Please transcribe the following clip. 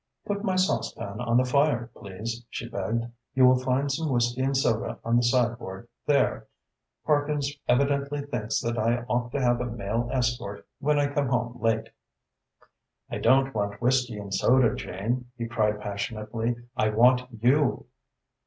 "Put my saucepan on the fire, please," she begged. "You will find some whisky and soda on the sideboard there. Parkins evidently thinks that I ought to have a male escort when I come home late." "I don't want whisky and soda, Jane," he cried passionately. "I want you!"